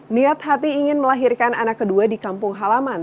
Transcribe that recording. niat hati ingin melahirkan anak kedua di kampung halaman